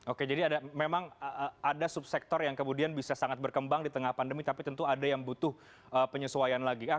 oke jadi memang ada subsektor yang kemudian bisa sangat berkembang di tengah pandemi tapi tentu ada yang butuh penyesuaian lagi